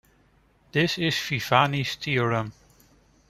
This is Viviani's theorem.